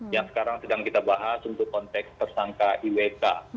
yang sekarang sedang kita bahas untuk konteks tersangka iwk